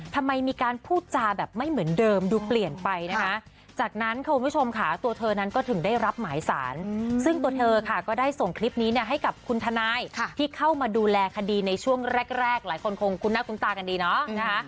ทำไมมีการพูดจาแบบไม่เหมือนเดิมดูเปลี่ยนไปนะคะจากนั้นคุณผู้ชมค่ะตัวเธอนั้นก็ถึงได้รับหมายสารซึ่งตัวเธอค่ะก็ได้ส่งคลิปนี้เนี่ยให้กับคุณทนายที่เข้ามาดูแลคดีในช่วงแรกแรกหลายคนคงคุ้นหน้าคุ้นตากันดีเนาะนะคะ